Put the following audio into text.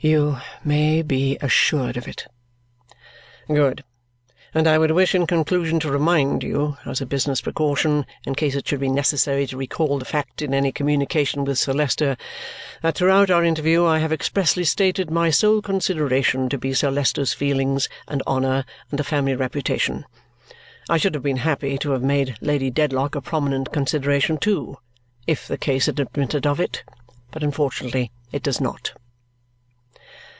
"You may be assured of it." "Good. And I would wish in conclusion to remind you, as a business precaution, in case it should be necessary to recall the fact in any communication with Sir Leicester, that throughout our interview I have expressly stated my sole consideration to be Sir Leicester's feelings and honour and the family reputation. I should have been happy to have made Lady Dedlock a prominent consideration, too, if the case had admitted of it; but unfortunately it does not."